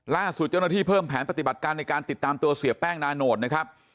ล่าสุดเจ้าหน้าที่เพิ่มแผนปฏิบัติการในการติดตามตัวเสียแป้งนาโนตนะครับ